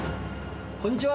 こんにちは。